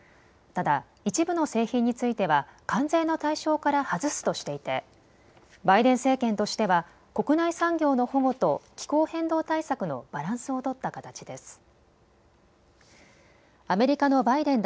ただ一部の製品については関税の対象から外すとしていてバイデン政権としては国内産業の保護と気候変動対策のバランスを取った形です。